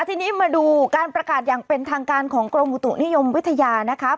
ทีนี้มาดูการประกาศอย่างเป็นทางการของกรมอุตุนิยมวิทยานะคะ